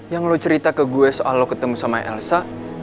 yang lo cerita ke gue soal lo ketemu sama elsa